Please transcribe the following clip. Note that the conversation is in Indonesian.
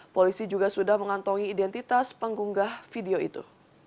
polisi juga sudah mengantongi identitas penggunggah video itu